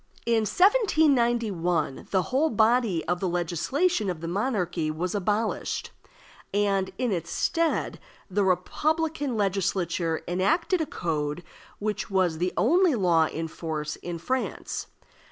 In 1791, the whole body of the legislation of the monarchy was abolished, and in its stead the republican Legislature enacted a code which was the only law in force in France.